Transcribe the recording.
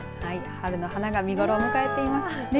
春の花が見頃を迎えていますね。